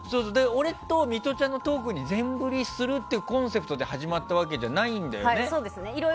俺とミトちゃんのトークに全振りするっていうコンセプトで始まったわけじゃないんだよね。